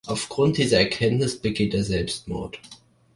Aufgrund dieser Erkenntnis begeht er Selbstmord.